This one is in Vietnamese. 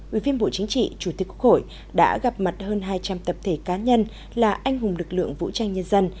ủy viên bộ chính trị chủ tịch quốc hội đã gặp mặt hơn hai trăm linh tập thể cá nhân là anh hùng lực lượng vũ trang nhân dân